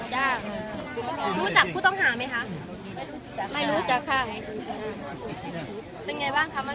ได้รู้จักผู้ต้องหาไหมคะไม่รู้จักค่ะเป็นไงบ้างค่ะ